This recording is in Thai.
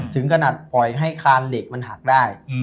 ถึงขนาดปล่อยให้คานเหล็กมันหักได้